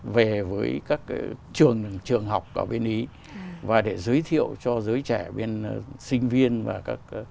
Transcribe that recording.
về với các trường trường học ở bên ý và để giới thiệu cho giới trẻ bên sinh viên và các